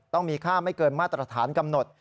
ต้องมีค่าไม่เกินมาตรฐานกำหนด